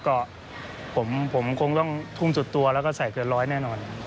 ก็ผมคงต้องทุ่มสุดตัวแล้วก็ใส่เกินร้อยแน่นอน